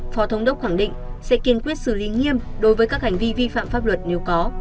phó thống đốc khẳng định sẽ kiên quyết xử lý nghiêm đối với các hành vi vi phạm pháp luật nếu có